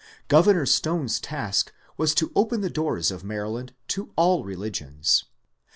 Governor Stone's task was to open the doors of Maryland to all religions.